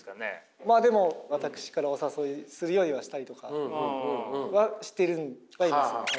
まあでも私からお誘いするようにはしたりとかはしてるんです。